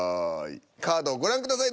カードをご覧ください。